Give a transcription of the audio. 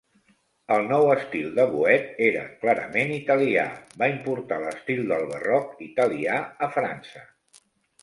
El nou estil de Vouet era clarament italià, va importar l"estil del barroc italià a França.